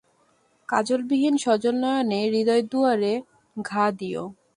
কাজলবিহীন সজলনয়নে হৃদয়দুয়ারে ঘা দিয়ো।